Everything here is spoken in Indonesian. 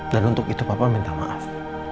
dan untuk itu papa minta maaf